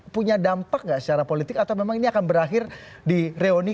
punya dampak nggak secara politik atau memang ini akan berakhir di reuni